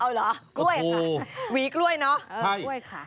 หวีกล้วยเนาะ